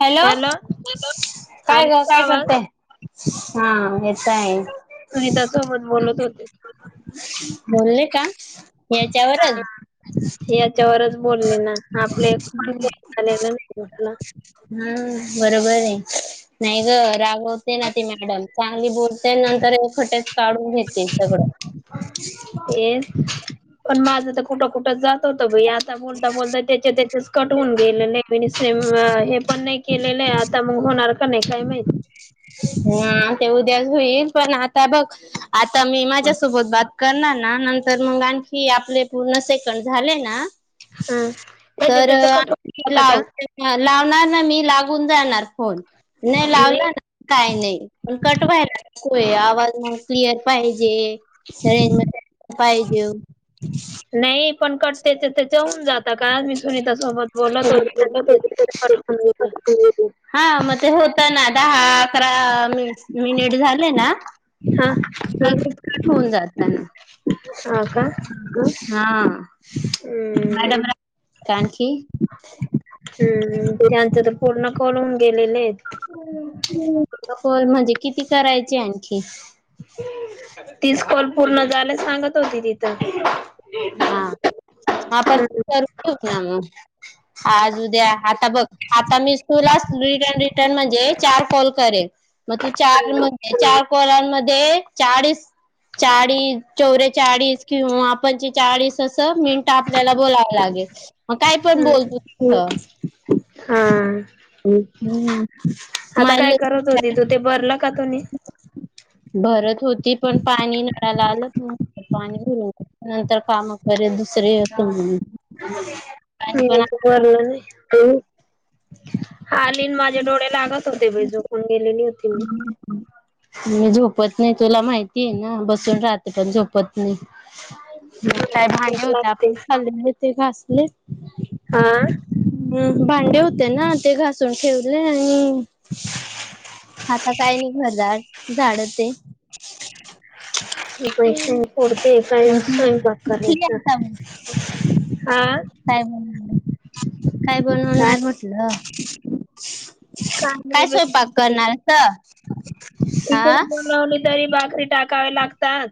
Hello, काय hello ग का काय आवाज करतेय? हा येत आहे. सुनीता सोबत बोलत होते. बोलले का याच्यावरच हा याच्यावरच बोलले ना, आपल्या कोणी कोणी झालेलं नाही म्हटलं हम्म बरोबर आहे. नाही गं रागवते ना ती मॅडम, चांगली बोलते नंतर खोटच काढून घेते सगळं तेच पण माझं तर कुठं, कुठं जात होतं बाई आ बोलता, बोलता त्याचे त्याचेच कट होऊन गेले नाही सेम हे पण नाही केलेलं आहे. आता मग होणार का नाही काय माहित. हा ते उद्या होईल, पण आता बघ आता मी माझ्यासोबत बात करणार ना, नंतर मग आणखी आपले पूर्ण सेकंड झाले ना हा त्याच्या तर त्याच्या कट [inaudible] होता का लाव लावणार ना मी लागून जाणार फोन नाय नाही लावला ना काही नाही पण कट व्हायला नकोय आवाज क्लिअर पाहिजे रेंज मध्ये पाहिजे नाही पण कट त्याच्या त्याच्या होऊन जाता का मी सुनीता सोबत बोलत होती कट होऊन गेलं [unintelligible] हा मग ते होता ना [unintelligible] अकरा मिनिट झाले ना हा तर ते कट होऊन जातं [unintelligible] हा हम् काय आणखी हम्म त्यांचं तर पूर्ण [unintelligible] गेलेले आहेत हम् होय म्हणजे किती करायचे आणखी तीस कॉल पूर्ण झाल्यास सांगत होती तिथं हा आपण हम्म करून ठेऊ ना मग आज उद्या आता बघ आता मी [unintelligible] न म्हणजे चार कॉल करे मग तू चार म्हणजे चार परमध्ये चाळीस चाळीस चोरे चाळीस किंवा आपण चाळीस तस मिनट आपल्याला बोलाव लागेल मग काय पण बोलतो हा त मायले कादून भरत होती पण पाणी नळायला आलं पाणी घून नंतर काम करत शयस म्ह आणि मी पण तर भरलं आलीन माझ्या डोळे लागत दे जोक एल नव तिन मी झोपत नाही तुला माहिती आहे ना बसून राहते पण झोपत नाही काय भांगे भूक होते लागते. आपण चालले ते घास नाही हा भांडे होते ना ते घासून ठेवले आणि शु आता काय नाही घरदार झाड ते [unintelligible] पुडते काय स्यंपाकार उठली आहे आता मी. हा. काय बनवणार काय काय बनवणार म्हटलं. नाही काय स्वयंपाक बाई करणारस हा. तिकडून बोलावली तरी भाकरी टाकावे लागतात.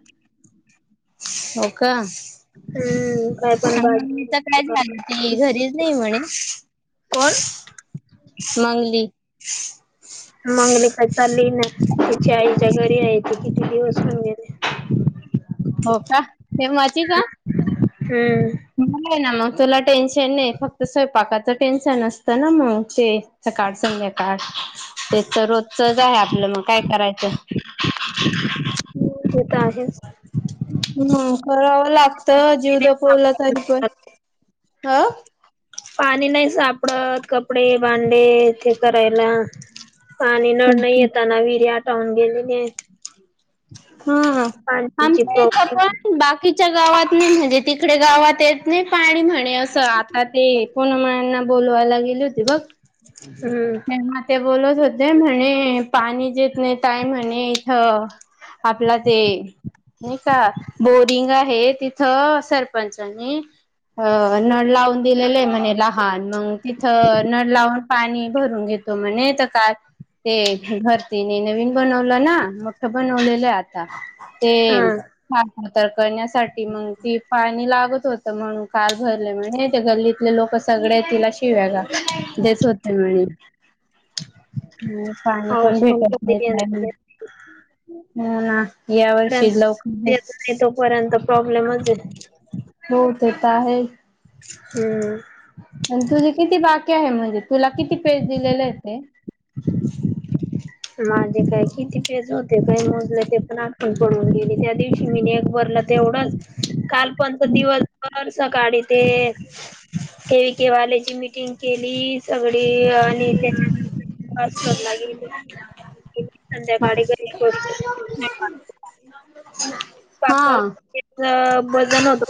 हो का? हम्म काय पण भाजी तर काय झालं ती घरीच नाही म्हणे कोण? मंगली [inaudible] मंगली काय चालली ना त्यािची आईच्या घरी नाही येत किती दिवस म्ह गेले. [unintelligible] हम्म म ना म तोलाट टेन्शन नाही फक्त स्वयंपाकाचं टेन्शन असतं ना मग ते सकाळ संध्याकाळ ते तर रोजचच आहे आपलं मग. काय करायचं. ेत आहे. हम्म करावं लागतं जीव दपवला तरी पण ह. पाणी नाही सापडत कपडे भांडे ते करायला पाणी नळ नाही येताना विर्या टाऊन गेलेली. [inaudible] हा पाण्याची आमच बा प्रॉब्लेम बाकीच्या गावात नाही म्हणजे तिकडे गावात येत नाही पाणी म्हणे असं आता ते पनमळंना बोोलवायला गेले होते बघ. हम्म म ते बोलत होत. म्हणे पाणी जेतणे तय म्हणे इथ आपला ते नाही का बोरिंग आहे तिथं सरपंचनी अ नळ लावून दिलेले आहे म्हणे लहान मग तिथ नळ लावून पाणी भरून घेतो म्हणे तर काय ते घरतीने नवीन बनवलं ना मोठ बनवलेलं आ [unintelligible] हा ह तर करण्या मग त पाणी ला होत म्हणून काल भरले. गल्लीतले लोक सगळे तिला शिव्या ग तेच होते म्हणे. हम् पाणी पण पाऊस भेटत कधी नाही काय? येणार आहे. हु ना. या वर्षी लवकर नाही तोपर्यंत प्रॉब्लेमच आहे. हो देत आहे हम्म आणि तुझी किती बाकीे आहे म्हणजे तुला किती पेज दिलेले आहेत ह माझे काय किती पेज होते काय मोजलं ते पण आठवण पडून गेली त्या दिवशी मी एकबरला तेवढाच काल पंच दिवसभर सकाळी ते के व केवाल्याची मीटिंग केली सगळी आणि त्याच्या ेल संध्याकाळी घरी पोह हा करच वजन होत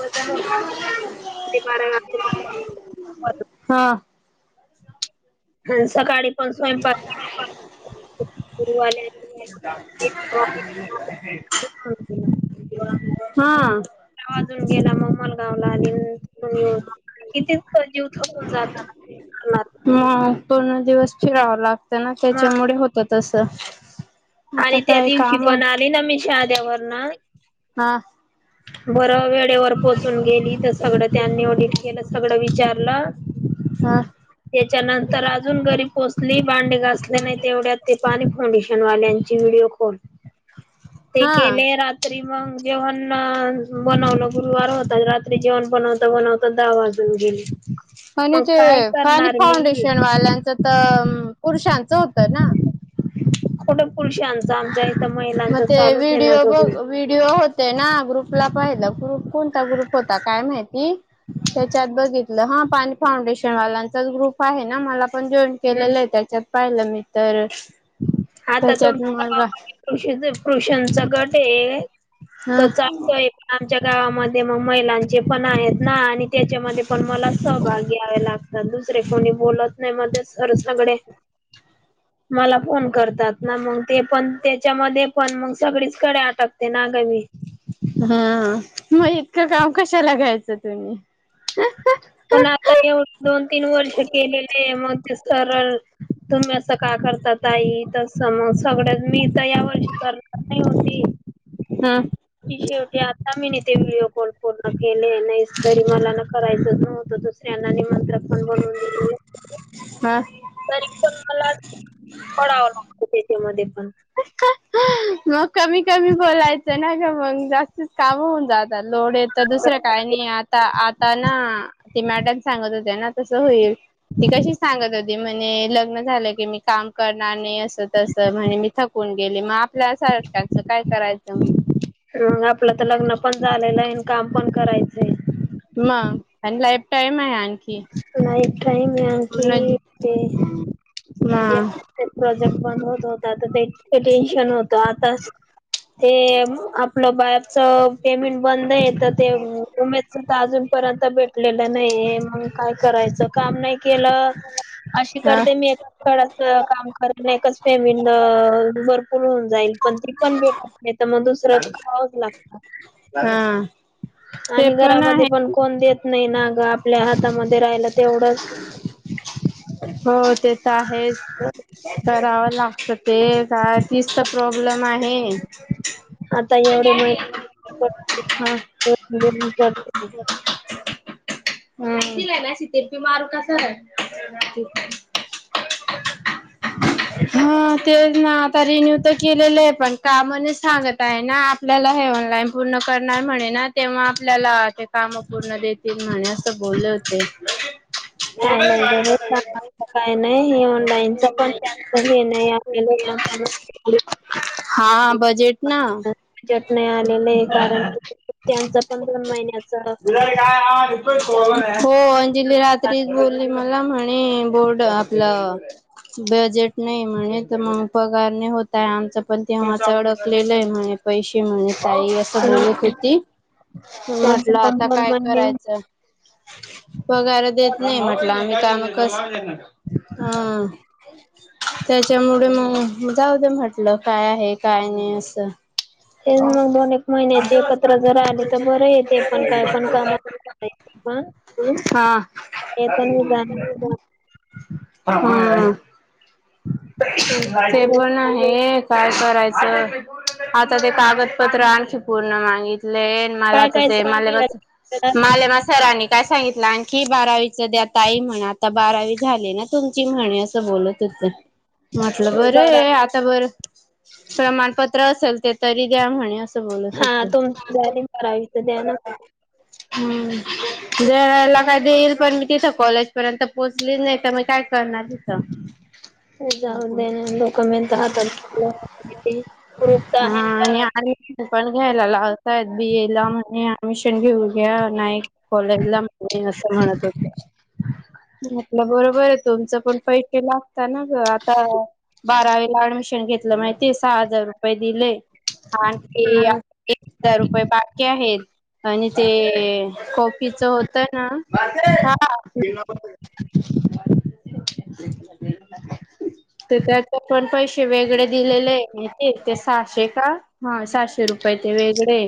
बारा हा हा सकाळी पण स्वयंपाक हा वाजून गेला मग मला वला दिन ून येऊन किती जीव थकून जाताना करणार नाही मग पूर्ण दिवस फिरावं लागत ना मग त्याच्यामुळे होतात अस त् स आणि त्या दिवशी पण आली ना मी शध्यावरणा हा ब वेळेवर पोचून गेली तर सगळं त्यांनी ऑडिट केलं सगळं विचारलं हा त्याच्यानंतर अजून घरी पोचली बांडे घासले नाही तेवढ्यात ते पाणी ऑडिशनवाल्यांची व्हिडिओ कॉल ते हा केले रात्री जेवण ह ब नव न गुरवार होताज रा जेवण बनवता बनवता दहा वाजून गेली आणि ते फनी फाउंडेशन वाल्यांचं तर पुरुषांचं होतं ना खोटं पुरुष आचा आमचा मग ते व्हिडिओ बघ व्हिडिओ होते ना ग्रुपला पाहिलं ग्रुप कोणता ग्रुप होता काय माहिती त्याच्यात बघितलं ह पाणी फाउंडेशन वालांचाच ग्रुप आहे ना मला पण जॉईन केलेलं आहे त्याच्यात पाहिलं मी तर हा तर तो त्याच्यात मुलगा [unintelligible] पुरुषांचा गट आहे. हा तर चालतोय पण आमच्या गावामध्ये मग महिलांचे पण आहेत ना आणि त्याच्यामध्ये पण मला सहभागी यावे लागत. दुसरे कोणी बोलत नाही मध्ये खच नाकडे [unintelligible] मला फोन कर तात मग ते पण त्याच्यामध्ये पण मग सगळीच कडे अटकते ना ग मी हा मग इतकं काम कशाला घ्यायचं तुम्ही पण आता एवढ दोन तीन वर्ष केलेले आहे. मगच तर तुम्ही असं का करतात. ताई तस म सगळ्यनी [unintelligible] मी तर या वर्षी करणार नाही होती. ह ती शेवटी आता मीनी ते व्हिडिओ कॉल पूर्ण केले नाहीस तरी मला नक्क करायचं नव्हतं दुसऱ्यांना हा [unintelligible] तरी पण मला पडावं लागतं त्याच्यामध्ये पण मग कमी कमी बोलायचं ना, मंग जास्तीच काम होऊन जातात लोडेत तर दुसरं काय नाही आता आता ना ते मॅडम सांगत होते ना तस होईल ती कशी सांगत होती म्हण नई लग्न झालं की मी काम करणार नई स तस मी थकून केले माफ [unintelligible] काय करायचं मंग मग आपलं तर लग्न पण झालेलं हेन काम पण करायचंये म आण लाईफ टाईम आहे आणखी नाही. टाईम हे पूर्ण आणखी ते जे मग प्रोजेक्ट बंद होत होता तर ते टेन्शन होत आता ते आपलं बा च नाई पेमेंट बंद ते उमेदच तर अजून पर्यंत भेटलेलं नहीये मंग काय करायचं काम नई केल अशी ह करते मी करत अ काम करत नई एकच पेमेंट अ भरपूर होऊन जाईल ते पण भेटत नई त म दूसर करावच लागत हा ते आणि घरामधे आहे पण कोन देत नाही ना ग आपल्या हात त मते राहिला हो ते तर आहे च कराव लागत ते काय तीस त प्रॉब्लेम आहे. नहीये आता एवढे महिन बघते ह [unintelligible] अह शिलाईन अशी तीरपी मारू का सरळ ठीक हे [unintelligible] हम्म तेज ना आता रिन्यू तर केलेलं आहे पण काम नई सांगत आहे ना आपल्याला हे ऑनलाईन पूर्ण करणार म्हणे ना तेव्हा आपल्याला ते काम पूर्ण देतील म्हणे अस बोलवते नई काय नाही ग बाई [unintelligible] काय नाही हे माईनंच पण त्यांच हे नाही आपल्या म्हणून हा बजेट ना बजेट नाही आलेलं आहे कारण की त्यांचं पण दोन महिन्याच हो अंजली रात्रीच बोलली मला म्हणे बोर्ड आपलं बजेट नाही म्हणे तर म पगारने होतय आमचं पण तेव्हाच अडकलेलं आहे म्हण पैसे म्हण ताई असं हम्म बोलत होती प म्हटलं त्यांचं पण आता दोन काय महिने करायचं पगर देत नाही म्हटलं काम कस ह हा त्याच्यामुळे मग जाऊदं म्हटलं काय आहे काय नाही असं तेच मग दोन एक महिन्याचे एकत्र जर आले तर बरं आहे ते पण काय पण कामात येते, हा पण येत नाही जाणार हा ते पण आहे काय करायचं आता दे कागत पत्र आणखी पूर्ण मागित मला काय तर काय ते माला माले मस्या रा काय सांगितलं आणखी बारावीच द आता आई म्हण आता बारावी झाली ना तुमची म्हणे असं बोलत हो म्हटलं बरा बरं आता बरं प्रमाणपत्र असेल ते तरी द्या म्हणे अस हा ब तुमची बारावी बारावीच द्या ना हम्म देराला काय देईल पण मी तिथं कॉलेज पर्यंत पोहोचली नाही तर मग काय करणार तिथं हो जाऊद नाो तर हा आहे ना आणि डमशन पण घ्यायला लावताय बीए ला म्हणे ऍडमिशन घेऊ घ्या नाही कॉलेज ला म्हणे अस म्हणत होत आप बरोबर तुमचं पण पैट केला त्या ना ग आता बारावीला ऍडमिशन घेतलं माहिती सहा हजार रुपये दिले आणि ते बारावी एक हजार रुपये पाकीे आहेत आणि ते कॉफीच होत ना ह [inaudible] तर त्याचे पण पैसे वेगळे दिलेले आहे माहितीये ते सहाशे का हा सातशे रू पहि ते वेगळे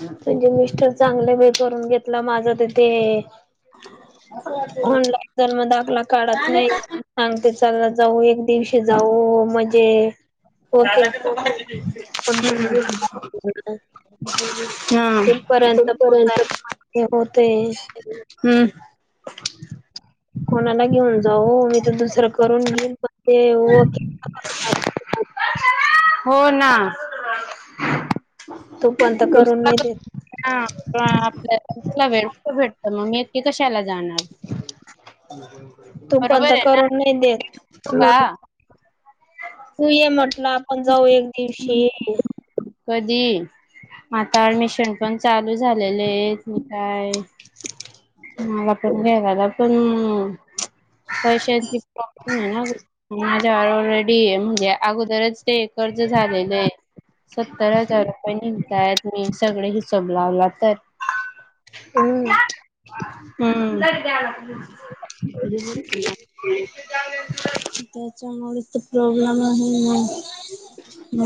म्हणजे मिस्टर चांगलं मी करून घेतलं माझं तेथे [inaudible] होनला जनम दाखला काढत नाही सांगते चलला जाऊ एक दिवशी जाऊ मजे कोण हम् इथपर्यंत पोहोचायला होते [inaudible] हम्म कोणाला घेऊन जाऊ? मी तर दुसरं- करून घेयेईल पण ते [unintelligible] हो ना. तू पण तर करून नाही देत आपल्या [unintelligible] तर मग मि एकटी कशाला जाणार? ह तू पण बरोबर तर आहे ना. करून नाही देत. हो का तू ये म्हटलं आपण जाऊ एक दिवशी. कधी? आता ऍडमिशन पण चालू झालेले आहेत म काय? [unintelligible] झाला पण पैशांची प्रॉब्लेम आहे ना. ऑलरेडी ये म्हणजे अगोदरच. ते कर्ज झालेले आहे सत्तर हजार रुपये निघताय मी सगळे हिशोब लावला तर. हम्. हम् त्याच्यामुळेच तर प्रॉब्लेम. आहे मग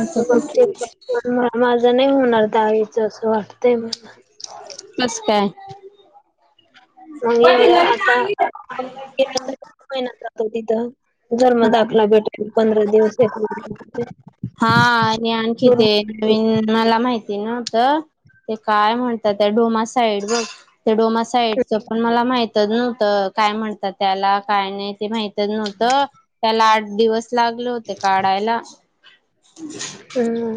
आता मग कुठ ते [unintelligible] माझा नाही होणार डाळीच अस वाटत. ते बस काय? मग एवढ्या आता [unintelligible] तिथं. अजून म [unintelligible] हा आणि आणखी ते बरोबर नवीन मला माहित- माहिती नव्हत ते काय म्हणतात त्या डोमा साईड बघ. ते डोमा साइडच पण मला माहितच नव्हतं. काय म्हणतात त्याला काय नाही ते माहितच नव्हत त्याला आठ दिवस- लागले होते काढायला, हम्म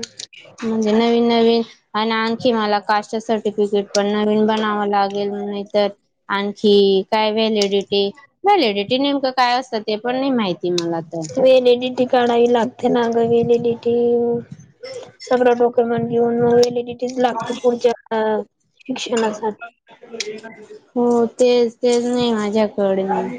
म्हणजे नवीन नवीन आणि आणखी मला- कास्ट सटिफिकेट पण नवीन [unintelligible] लाेल नाही आणखी काय व्हॅलिडिटी व्हलडिटी नेमकं काय असतं ते पण नाही माहिती त मला तर लेडी टी काढावी लागते नागावी लेडीटी सगरा टोक म्हण लागत पुढच्या शिक्षणासाठी हो तेच तेच नाही माझ्याकडे